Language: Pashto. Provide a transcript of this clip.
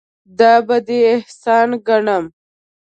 دا به دې احسان ګڼم.